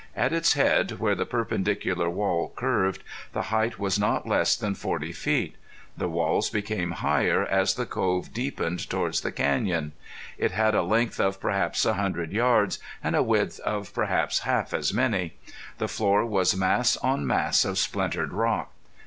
At its head, where the perpendicular wall curved, the height was not less than forty feet. The walls became higher as the cove deepened toward the canyon. It had a length of perhaps a hundred yards, and a width of perhaps half as many. The floor was mass on mass of splintered rock.